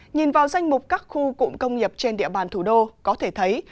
nhìn vào danh mục các khu cụm công nghiệp trên địa bàn thủ đô có thể thấy